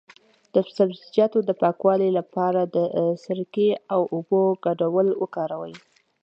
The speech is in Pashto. د سبزیجاتو د پاکوالي لپاره د سرکې او اوبو ګډول وکاروئ